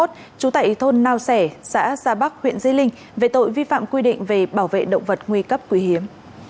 trú tại thôn nào sẻ xã gia bắc huyện di linh về tội vi phạm quy định về bảo vệ động vật nguy cấp quý hiếm